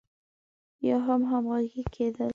يا هم همغږي کېدل.